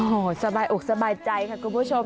โอ้โหสบายอกสบายใจค่ะคุณผู้ชม